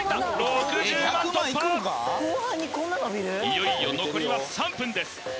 いよいよ残りは３分です